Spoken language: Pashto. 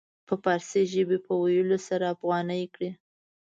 د فارسي ژبې په ويلو سره افغاني کړي.